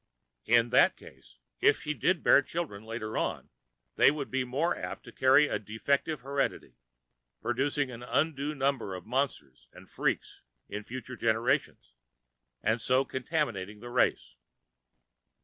In that case, if she did bear children later on, they would be more apt to carry a defective heredity, producing an undue number of monsters and freaks in future generations, and so contaminating the race.